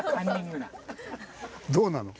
どうなの？